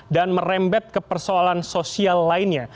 dan merembet ke persoalan sosial lainnya